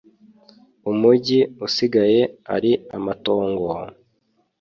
Umugi usigaye ari amatongo,